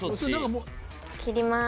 切ります。